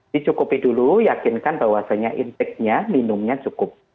dicukupi dulu yakinkan bahwasannya inteknya minumnya cukup